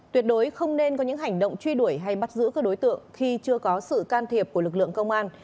tuyệt đối không nên có những hành động truy đuổi hay bắt giữ các đối tượng khi chưa có sự can thiệp của lực lượng công an